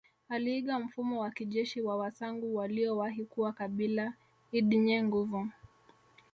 Aliiga mfumo wa kijeshi wa wasangu waliowahi kuwa kabila ldnye nguvu